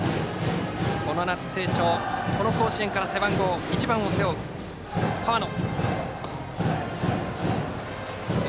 この夏成長、この甲子園から背番号１番を背負う河野。